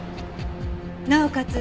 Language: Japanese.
なおかつ